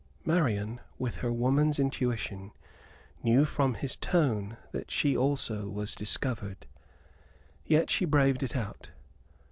Marian, with her woman's intuition, knew from his tone that she also was discovered. Yet she braved it out.